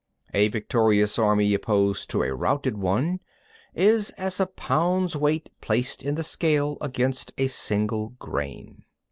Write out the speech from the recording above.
19. A victorious army opposed to a routed one, is as a pound's weight placed in the scale against a single grain.